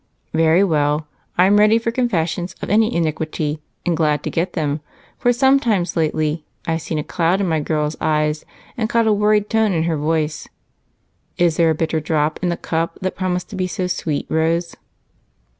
"Very well, I'm ready for confessions of any iniquity and glad to get them, for sometimes lately I've seen a cloud in my girl's eyes and caught a worried tone in her voice. Is there a bitter drop in the cup that promised to be so sweet, Rose?"